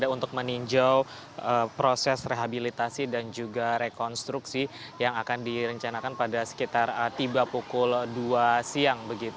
untuk meninjau proses rehabilitasi dan juga rekonstruksi yang akan direncanakan pada sekitar tiba pukul dua siang